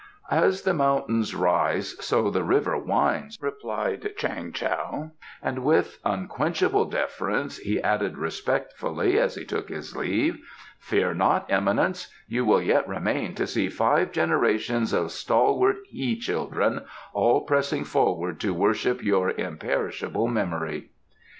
"'As the mountains rise, so the river winds,'" replied Chang Tao, and with unquenchable deference he added respectfully as he took his leave, "Fear not, eminence; you will yet remain to see five generations of stalwart he children, all pressing forward to worship your imperishable memory."